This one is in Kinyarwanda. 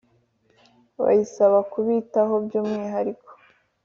Bayisaba kubitaho by’umwihariko.